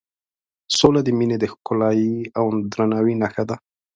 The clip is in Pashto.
سوله د مینې د ښکلایې او درناوي نښه ده.